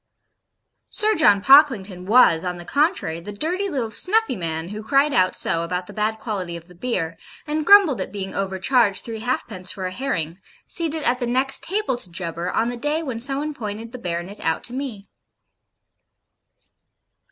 Sir John Pocklington was, on the contrary, the dirty little snuffy man who cried out so about the bad quality of the beer, and grumbled at being overcharged three halfpence for a herring, seated at the next table to Jubber on the day when some one pointed the Baronet out to me.